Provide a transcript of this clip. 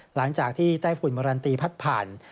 หลังจากที่ใต้ฝุ่นมารันตีพัดผ่าน